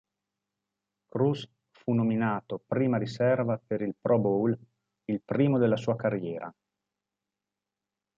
Cruz fu nominato prima riserva per il Pro Bowl, il primo della sua carriera.